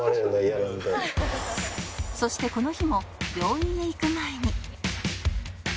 そしてこの日も病院へ行く前に